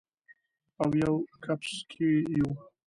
اویو کپس کې یو